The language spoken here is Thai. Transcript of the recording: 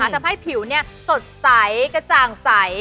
ทำให้ผิวสดใสกระจ่างใส